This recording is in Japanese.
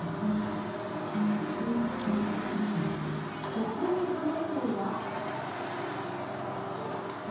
ここにはまるのは３。